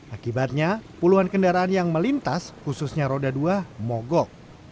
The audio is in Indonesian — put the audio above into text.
akibatnya puluhan kendaraan yang melintas khususnya roda dua mogok